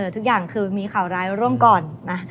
ทุกอย่างคือมีข่าวร้ายร่วมก่อนนะ